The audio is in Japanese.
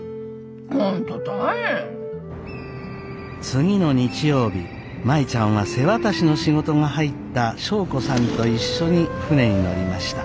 次の日曜日舞ちゃんは瀬渡しの仕事が入った祥子さんと一緒に船に乗りました。